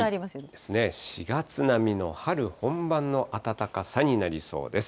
そうですね、４月並みの春本番の暖かさになりそうです。